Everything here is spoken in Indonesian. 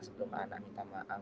sebelum anak minta maaf